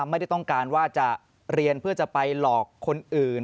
ไม่ได้ต้องการว่าจะเรียนเพื่อจะไปหลอกคนอื่น